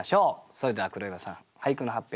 それでは黒岩さん俳句の発表